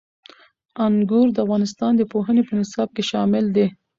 انګور د افغانستان د پوهنې په نصاب کې شامل دي.